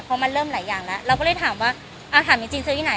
เพราะมันเริ่มหลายอย่างแล้วเราก็เลยถามว่าถามจริงซื้อที่ไหน